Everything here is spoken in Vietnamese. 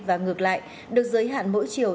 và ngược lại được giới hạn mỗi chiều